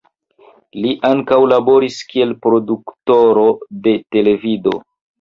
Li ankaŭ laboris kiel produktoro de televido.